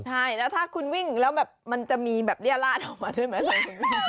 ใช่แล้วถ้าคุณวิ่งแล้วแบบมันจะมีแบบเบี้ยลาดออกมาด้วยไหม